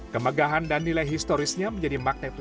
kemegahan dan nilai historisnya menjadi makna itu